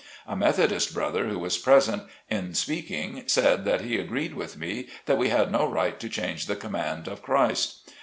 A Methodist brother who was present, in speaking, said that he agreed with me that we had no right to change the command of Christ.